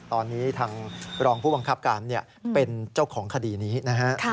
ตอนนี้ทางรองผู้บังคับการเป็นเจ้าของคดีนี้นะฮะ